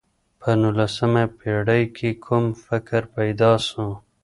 په نولسمه پېړۍ کي کوم فکر پيدا سو؟